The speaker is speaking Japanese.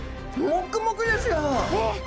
もくもくですよ。